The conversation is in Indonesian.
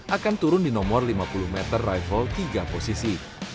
akan turun di nomor lima puluh meter rival tiga posisi